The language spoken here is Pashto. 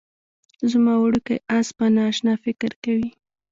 زما وړوکی اس به نا اشنا فکر کوي